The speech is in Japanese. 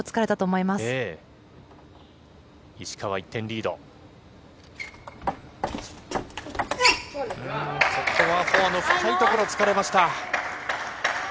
うーん、ここはフォアの深い所を突かれました。